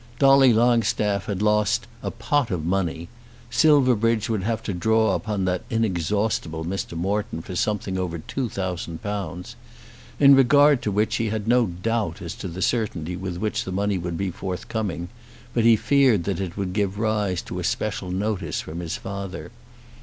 Dolly Longstaff had lost a "pot of money", Silverbridge would have to draw upon that inexhaustible Mr. Morton for something over two thousand pounds, in regard to which he had no doubt as to the certainty with which the money would be forthcoming, but he feared that it would give rise to special notice from his father.